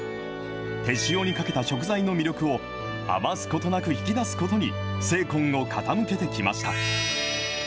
手塩にかけた食材の魅力を余すことなく引き出すことに、精魂を傾けてきました。